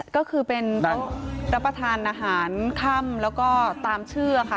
ก็คือเป็นโต๊ะรับประทานอาหารค่ำแล้วก็ตามชื่อค่ะ